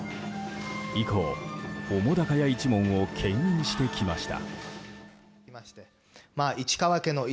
以降、澤瀉屋一門を牽引してきました。